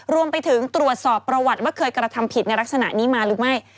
รวมไปถึงตรวจสอบประวัติว่าเคยกระทำผิดในลักษณะนี้มาหรือไม่